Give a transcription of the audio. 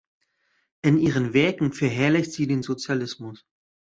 In ihren Werken verherrlicht sie den Sozialismus.